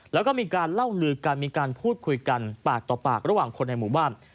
แล้วก็มีการเล่าลือกันมีการพูดคุยกันปากต่อปากระหว่างคนในหมู่บ้าน